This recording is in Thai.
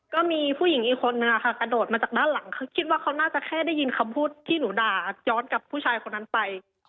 ก็มีผู้หญิงอีกคนนึงค่ะกระโดดมาจากด้านหลังคือคิดว่าเขาน่าจะแค่ได้ยินคำพูดที่หนูด่าย้อนกับผู้ชายคนนั้นไป